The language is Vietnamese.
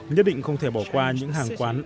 nhất định không thể bỏ qua những hàng quán